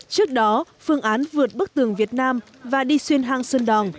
trước đó phương án vượt bức tường việt nam và đi xuyên hang sơn đòn